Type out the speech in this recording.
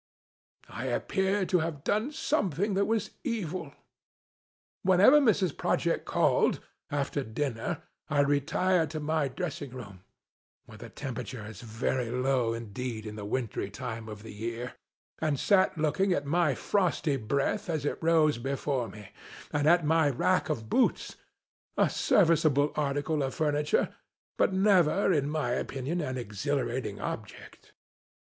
I appeared to have done some thing that was evil. Whenever Mrs. Prodgit called, after dinner, I retired to my dressing room — where the temperature is very low, indeed, in the wintry time of the year — and sat looking at my frosty breath as it rose before me, and at my rack of boots : a serviceable article of furniture, but never, in my opinion, an exhilarating object.